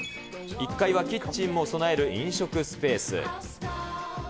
１階はキッチンも備える飲食スペース。